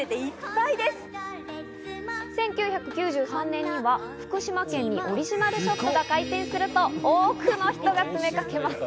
１９９３年には福島県にオリジナルショップが開店すると多くの人が詰めかけます。